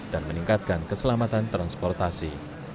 dan meningkatkan keselamatan transportasi